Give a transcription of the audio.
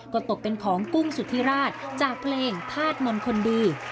ก็ตกเป็นของกุ้งสุธิราชจากเพลงพาดมนต์คนดี